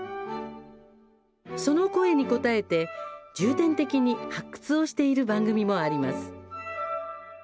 その声に応えて重点的に発掘をしている番組もあります。